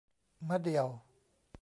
มะเดี่ยว